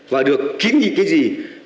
và được kiến dị cái gì